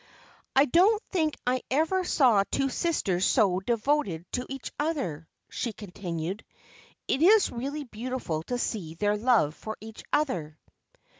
"I don't think I ever saw two sisters so devoted to each other," she continued. "It is really beautiful to see their love for each other."